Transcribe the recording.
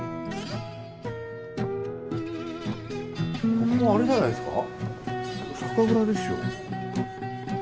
ここあれじゃないですか？